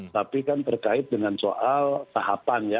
tapi kan terkait dengan soal tahapan ya